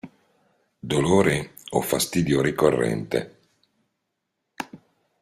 Dolore o fastidio ricorrente.